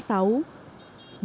những ngày tháng sáu